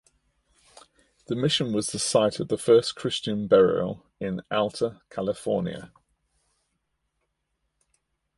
The mission was the site of the first Christian burial in Alta California.